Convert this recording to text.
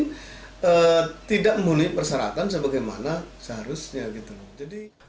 ini tidak memenuhi persyaratan sebagaimana seharusnya